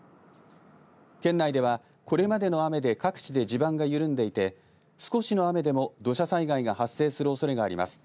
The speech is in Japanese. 県内ではこれまでの雨で各地で地盤が緩んでいて少しの雨でも土砂災害が発生するおそれがあります。